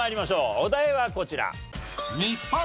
お題はこちら。